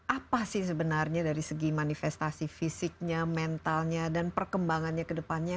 apa sih sebenarnya dari segi manifestasi fisiknya mentalnya dan perkembangannya kedepannya